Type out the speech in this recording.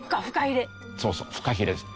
そうそうフカヒレです。